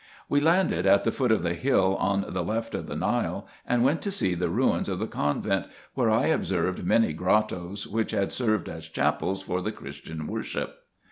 We landed at the foot of the hill on the left of the Nile, and went to see the ruins of the convent, where I observed many grottoes, which had served as chapels for the Christian worship.